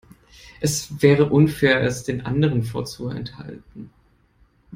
Es wäre unfair, es den anderen vorzuenthalten.